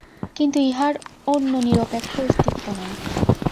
কিন্তু ইহার অন্যনিরপেক্ষ অস্তিত্ব নাই।